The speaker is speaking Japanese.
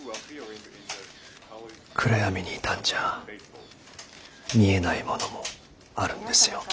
暗闇にいたんじゃあ見えないものもあるんですよ。